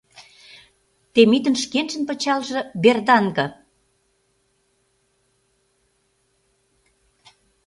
Темитын шкенжын пычалже берданке.